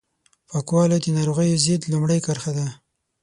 پاکوالی د ناروغیو ضد لومړۍ کرښه ده